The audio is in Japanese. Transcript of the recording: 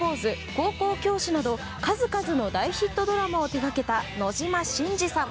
「高校教師」など数々の大ヒットドラマを手掛けた野島伸司さん。